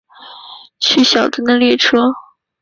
去小樽的列车